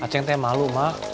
acing teh malu mak